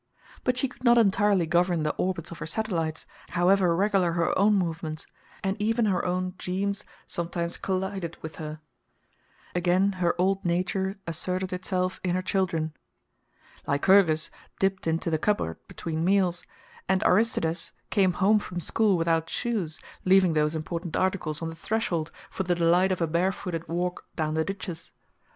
But she could not entirely govern the orbits of her satellites, however regular her own movements, and even her own "Jeemes" sometimes collided with her. Again her old nature asserted itself in her children. Lycurgus dipped into the cupboard "between meals," and Aristides came home from school without shoes, leaving those important articles on the threshold, for the delight of a barefooted walk down the ditches.